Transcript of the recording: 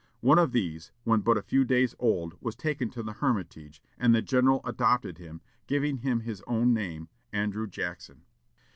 One of these, when but a few days old, was taken to the Hermitage, and the general adopted him, giving him his own name, Andrew Jackson.